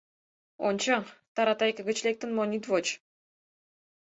— Ончо, таратайке гыч лектын монь ит воч.